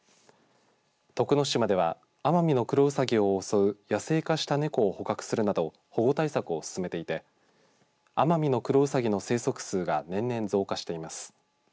徳之島ではアマミノクロウサギを襲う野生化したネコ捕獲するなど保護対策を進めていてアマミノクロウサギの生息数が年々増加しています。